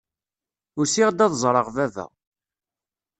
Usiɣ-d ad ẓreɣ baba.